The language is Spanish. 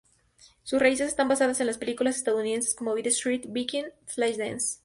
Sus raíces están basadas en las películas estadounidenses como Beat Street, Breakin', Flashdance.